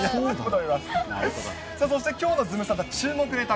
そしてきょうのズムサタ、注目ネタ